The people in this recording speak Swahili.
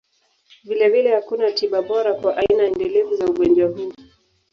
Vilevile, hakuna tiba bora kwa aina endelevu za ugonjwa huu.